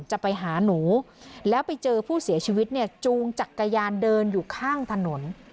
จะไปหาหนูแล้วไปเจอผู้เสียชีวิตเนี่ยจูงจักรยานเดินอยู่ข้างถนน